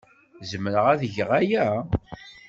Zemreɣ ad geɣ aya?